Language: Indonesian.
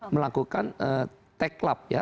melakukan tech club ya